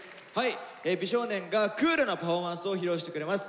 美少年がクールなパフォーマンスを披露してくれます。